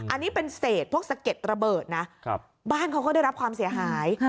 อันนี้เป็นเศษพวกสะเก็ดระเบิดนะบ้านเขาก็ได้รับความเสียหาย